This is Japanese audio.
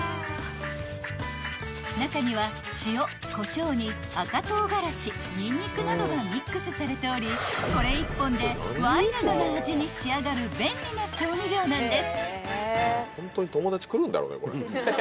［中には塩こしょうに赤唐辛子にんにくなどがミックスされておりこれ１本でワイルドな味に仕上がる便利な調味料なんです］